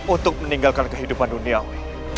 untuk meninggalkan kehidupan duniawi